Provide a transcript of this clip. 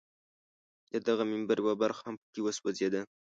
د دغه منبر یوه برخه هم په کې وسوځېده.